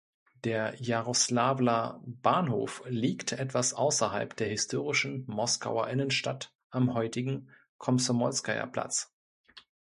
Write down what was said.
Der Jaroslawler Bahnhof liegt etwas außerhalb der historischen Moskauer Innenstadt am heutigen Komsomolskaja-Platz.